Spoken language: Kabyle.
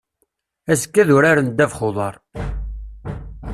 Azekka ad uraren ddabax n uḍar.